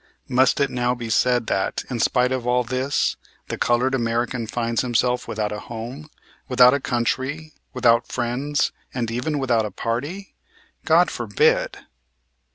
Must it now be said, that, in spite of all this, the colored American finds himself without a home, without a country, without friends, and even without a party? God forbid!